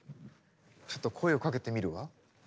ちょっと声をかけてみるわ。